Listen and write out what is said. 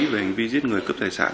về hành vi giết người cướp tài sản